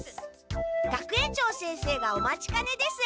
学園長先生がお待ちかねです。